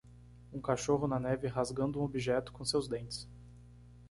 Um cachorro na neve rasgando um objeto com seus dentes